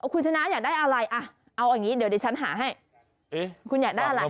คุณชนะอยากได้อะไรเอาอย่างนี้เดี๋ยวดิฉันหาให้คุณอยากได้อะไร